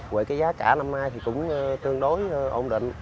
vậy cái giá cả năm nay thì cũng tương đối ổn định